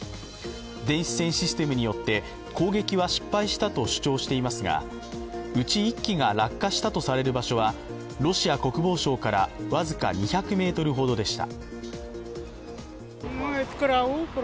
電子戦システムによって攻撃は失敗したと主張していますが、うち１機が落下したとされる場所はロシア国防省から僅か２００ｍほどでした。